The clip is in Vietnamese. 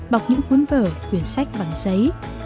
bọc những cuốn vở quyển sách bằng giấy